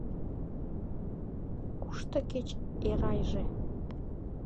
Кушто кеч Эрайже?